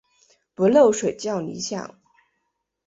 不漏水较理想。